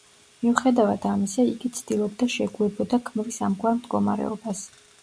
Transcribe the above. მიუხედავად ამისა იგი ცდილობდა შეგუებოდა ქმრის ამგვარ მდგომარეობას.